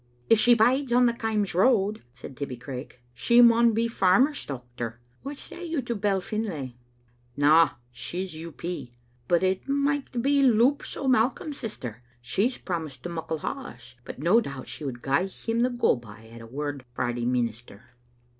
"If she bides on the Kaims road," said Tibbie Craik, " she maun be a farmer's dochter. What say you to Bell Finlay?" "Na; she's U. P. But it micht be Loups o* Mai colm's sister. She's promised to Muckle Haws; but no doubt she would gie him the go by at a word frae the minister."